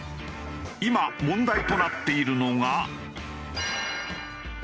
今問題となっているのが。